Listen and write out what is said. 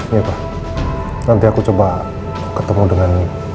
iya pak nanti aku coba ketemu dengan